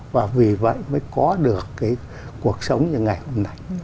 và vì vậy mới có được cái cuộc sống như ngày hôm nay